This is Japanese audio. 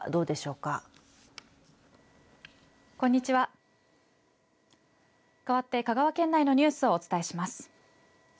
かわって香川県内のニュースをお伝えします。